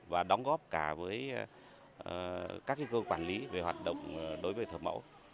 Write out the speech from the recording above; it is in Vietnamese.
và đóng góp cả với các cơ quan quản lý về hoạt động đối với thờ mẫu